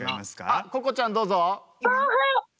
ここちゃんどうぞ。